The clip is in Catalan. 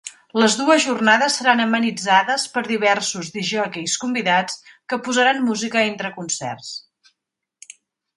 Les dues jornades seran amenitzades per diversos discjòqueis convidats que posaran música entre concerts.